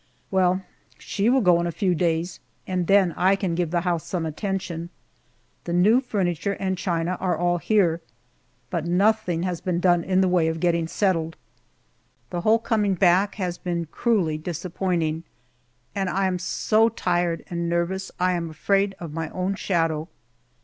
Well, she will go in a few days, and then I can give the house some attention. The new furniture and china are all here, but nothing has been done in the way of getting settled. The whole coming back has been cruelly disappointing, and I am so tired and nervous I am afraid of my own shadow.